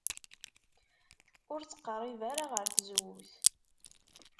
Ur ttqerrib ara ɣer tzewwut.